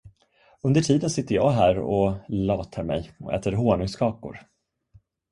Under tiden sitter jag här och latar mig och äter honungskakor.